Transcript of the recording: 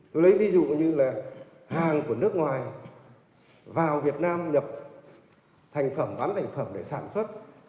tôi lấy ví dụ như là hàng của nước ngoài vào việt nam nhập thành phẩm bán thành phẩm để sản xuất